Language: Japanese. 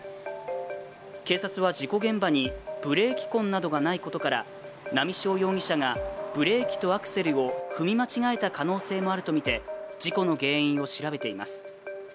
警察は事故現場にブレーキ痕などがないことから波汐容疑者がブレーキとアクセルを踏み間違えた可能性もあるとみて事故の原因を調べています。